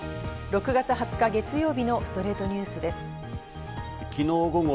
６月２０日、月曜日の『ストレイトニュース』です。